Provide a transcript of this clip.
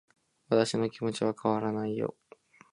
私の気持ちは変わらないよ